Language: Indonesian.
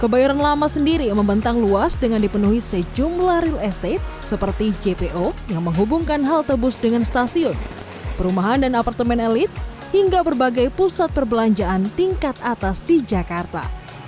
kebayoran lama sendiri membentang luas dengan dipenuhi sejumlah real estate seperti jpo yang menghubungkan halte bus dengan stasiun perumahan dan apartemen elit hingga berbagai pusat perbelanjaan tingkat atas di jakarta